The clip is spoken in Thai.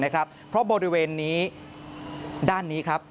เพราะบริเวณนี้ด้านนี้ครับ